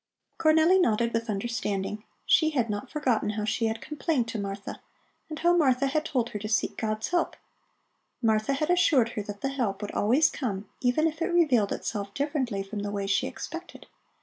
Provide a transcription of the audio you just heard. Cornelli nodded with understanding; she had not forgotten how she had complained to Martha, and how Martha had told her to seek God's help. Martha had assured her that the help would always come, even if it revealed itself differently from the way she expected.